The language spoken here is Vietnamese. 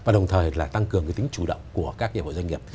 và đồng thời là tăng cường tính chủ động của các nhà hội doanh nghiệp